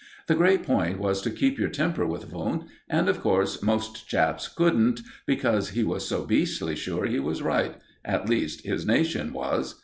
The great point was to keep your temper with Wundt; and, of course, most chaps couldn't, because he was so beastly sure he was right at least, his nation was.